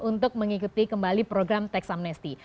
ayo untuk mengikuti kembali program tax amnesty